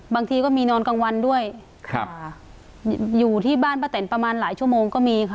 บางทีก็มีนอนกลางวันด้วยอยู่ที่บ้านป้าแตนประมาณหลายชั่วโมงก็มีค่ะ